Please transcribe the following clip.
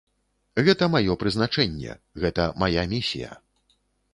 Гэта маё прызначэнне, гэта мая місія.